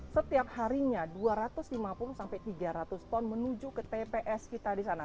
setiap harinya dua ratus lima puluh sampai tiga ratus ton menuju ke tps kita di sana